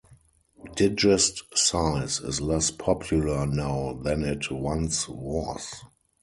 Digest size is less popular now than it once was.